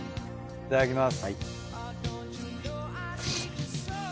いただきます。